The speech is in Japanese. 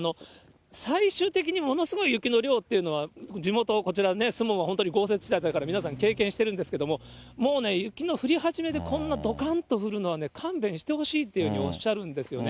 最終的にものすごい雪の量っていうのは、地元、こちら、守門は本当豪雪地帯だから皆さん経験してるんですけれども、もうね、雪の降り始めでこんなどかんと降るのは、勘弁してほしいというふうにおっしゃるんですよね。